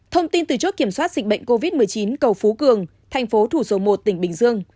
thông tin từ chốt kiểm soát dịch bệnh covid một mươi chín cầu phú cường tp thủ số một tỉnh bình dương